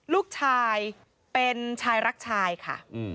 ลูกชายเป็นชายรักชายค่ะ